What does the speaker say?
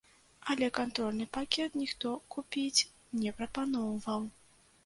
Але кантрольны пакет ніхто купіць не прапаноўваў.